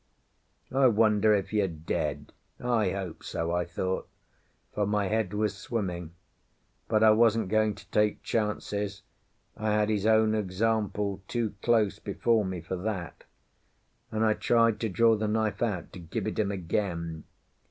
"I wonder if you're dead? I hope so!" I thought, for my head was swimming. But I wasn't going to take chances; I had his own example too close before me for that; and I tried to draw the knife out to give it him again.